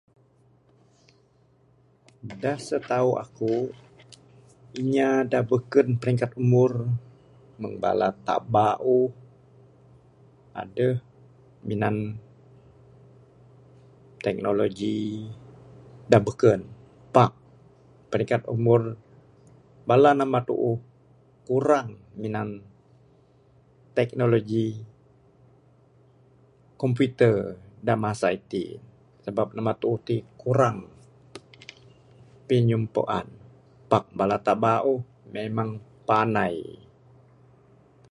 Da setahu aku...inya da beken peringkat umur meng bala taap bauh adeh minan teknologi da beken pak peringkat umur bala namba tuuh kurang minan teknologi komputer da masa itin sabab namba tuuh ti kurang pinyimpuan pak bala taap bauh memang panai.